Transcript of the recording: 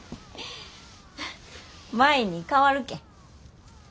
舞に代わるけん。